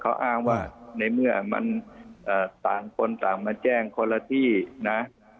เขาอ้างว่ามันต่างคนจากมาแจ้งคนละที่นะ